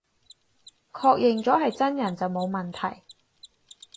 確認咗係真人就冇問題